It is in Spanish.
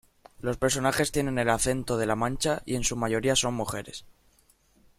Los personajes tienen el acento de La Mancha y en su mayoría son mujeres.